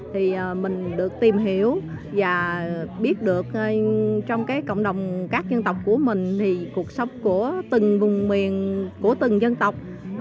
thì mình được tìm hiểu và biết được trong cộng đồng các dân tộc của mình thì cuộc sống của từng vùng miền của từng dân tộc